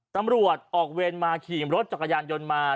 ตำรวจออกเวรมาขี่รถจักรยานยนต์มา